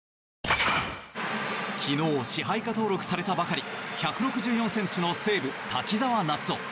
昨日、支配下登録されたばかり１６４ｃｍの西武、滝澤夏央。